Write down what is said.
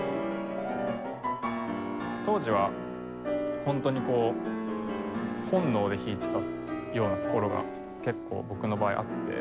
当時は本当にこう本能で弾いてたようなところが結構僕の場合あって。